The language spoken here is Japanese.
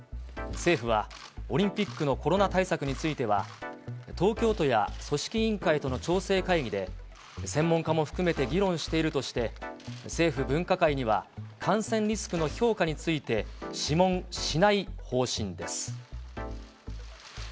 政府は、オリンピックのコロナ対策については、東京都や組織委員会との調整会議で、専門家も含めて議論しているとして、政府分科会には感染リスクの評価について諮問しない方針です。